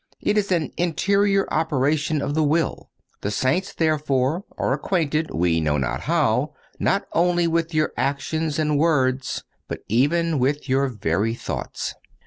It is an interior operation of the will. The saints, therefore, are acquainted—we know not how—not only with your actions and words, but even with your very thoughts.